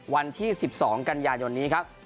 วันที่๑๒กันยายนนี้ครับ